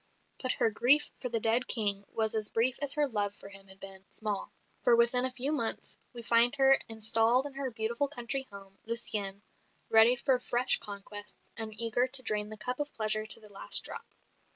But her grief for the dead King was as brief as her love for him had been small; for within a few months, we find her installed in her beautiful country home, Lucienne, ready for fresh conquests, and eager to drain the cup of pleasure to the last drop.